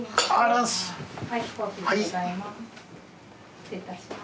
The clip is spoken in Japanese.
失礼いたします。